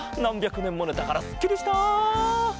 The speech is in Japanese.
くねんもねたからすっきりした！